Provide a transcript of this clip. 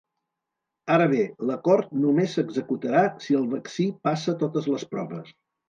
Ara bé, l’acord només s’executarà si el vaccí passa totes les proves.